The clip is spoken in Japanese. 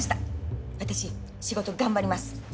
私仕事頑張ります。